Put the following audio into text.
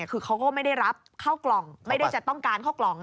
คือเขาก็ไม่ได้รับเข้ากล่องไม่ได้จะต้องการเข้ากล่อง